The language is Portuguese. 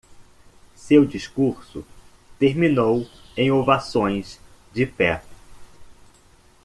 Seu discurso terminou em ovações de pé.